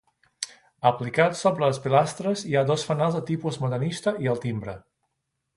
Aplicat sobre les pilastres hi ha dos fanals de tipus modernista i el timbre.